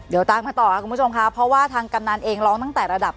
เดี๋ยวตามกันต่อค่ะคุณผู้ชมค่ะเพราะว่าทางกำนันเองร้องตั้งแต่ระดับ